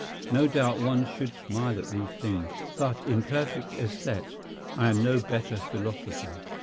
No doubt one should smile at these things; but, imperfect Esthete, I am no better Philosopher.